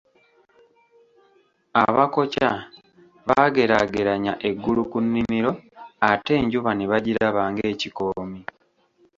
Abakoca, baageraageranya eggulu ku nnimiro ate enjuba ne bagiraba ng'ekikoomi.